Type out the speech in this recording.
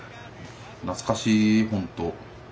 懐かしい本当。